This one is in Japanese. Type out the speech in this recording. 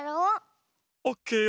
オッケーよ。